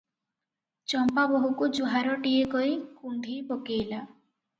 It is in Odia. ଚମ୍ପା ବୋହୂକୁ ଜୁହାରଟିଏ କରି କୁଣ୍ଢେଇ ପକେଇଲା ।